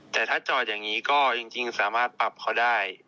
แต่ถ้าจอดอย่างนี้ก็จริงสามารถปรับเขาได้